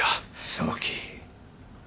沢木。